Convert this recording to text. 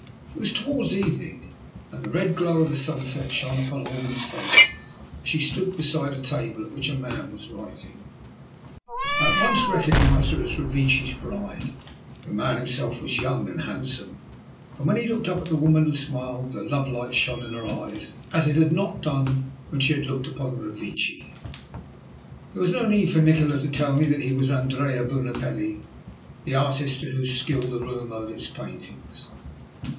It was towards evening, and the red glow of the sunset shone upon a woman's face, as she stood beside the table at which a man was writing. I at once recognized her as Revecce's bride. The man himself was young and handsome, and when he looked up at the woman and smiled, the love light shone in her eyes, as it had not done when she had looked upon Revecce. There was no need for Nikola to tell me that he was Andrea Bunopelli, the artist to whose skill the room owed its paintings.